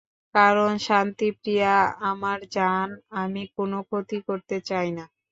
কারণ শান্তি প্রিয়া আমার জান, আমি কোন ক্ষতি করতে চাই না।